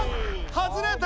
外れた！